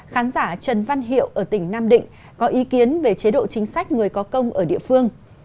khán giả trần văn hiệu ở tỉnh nam định có ý kiến về chế độ chính sách người có công ở địa phương